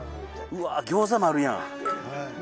うわあ餃子もあるやん。